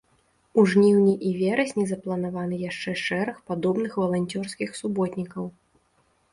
У жніўні і верасні запланаваны яшчэ шэраг падобных валанцёрскіх суботнікаў.